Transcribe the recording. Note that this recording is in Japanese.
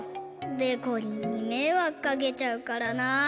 でこりんにめいわくかけちゃうからなあ。